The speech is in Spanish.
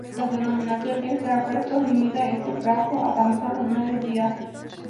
Las denominación 'extra frescos' limita este plazo a tan solo nueve días.